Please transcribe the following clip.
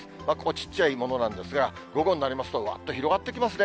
ちっちゃいものなんですが、午後になりますと、わーっと広がってきますね。